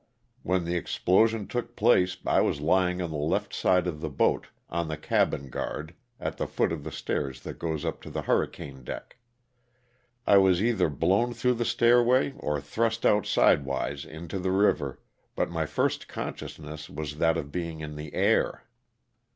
When the explosion took place I was lying on the left side of the boat on the cabin guard at the foot of the stairs that goes up to the hurricane deck. I was either blown through the stairway or thrust out side wise into the river, but my first consciousness was that of being in the air.